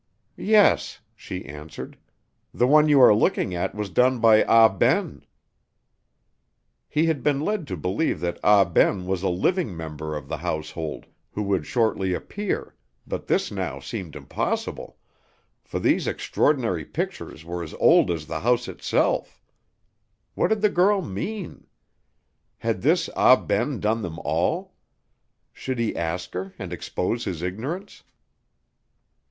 "Yes," she answered, "the one you are looking at was done by Ah Ben." He had been led to believe that Ah Ben was a living member of the household, who would shortly appear, but this now seemed impossible, for these extraordinary pictures were as old as the house itself. What did the girl mean? Had this Ah Ben done them all? Should he ask her and expose his ignorance?